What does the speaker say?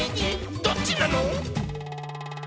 どっちなのー！